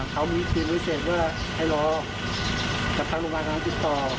เขามีความรู้สึกว่าไอ้หล่อกระทั่งลงมาทางติดต่อ